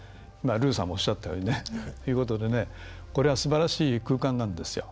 ルーさんもおっしゃったようにね。ということでね、これはすばらしい空間なんですよ。